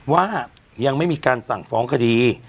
ว่ายังไม่มีการสั่งฟ้องคดี